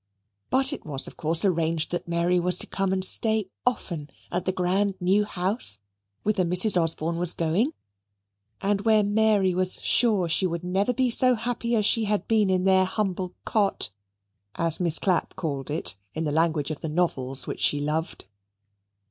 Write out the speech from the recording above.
But it was of course arranged that Mary was to come and stay often at the grand new house whither Mrs. Osborne was going, and where Mary was sure she would never be so happy as she had been in their humble cot, as Miss Clapp called it, in the language of the novels which she loved.